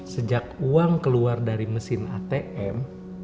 sejak uang keluar dari mesin atm